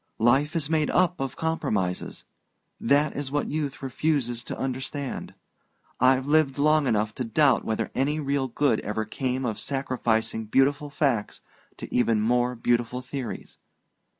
Life is made up of compromises: that is what youth refuses to understand. I've lived long enough to doubt whether any real good ever came of sacrificing beautiful facts to even more beautiful theories.